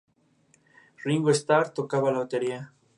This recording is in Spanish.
Ringo Starr tocaba la batería.